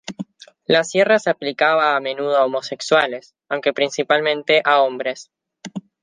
La sierra se aplicaba a menudo a homosexuales, aunque principalmente a hombres.